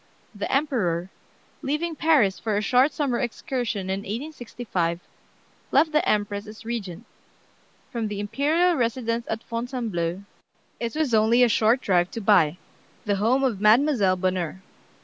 "The Emperor, leaving Paris for a short summer excursion in 1865, left the Empress as Regent. From the imperial residence at Fontainebleau it was only a short drive to By (the home of Mademoiselle Bonheur).